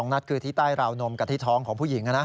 นัดคือที่ใต้ราวนมกับที่ท้องของผู้หญิง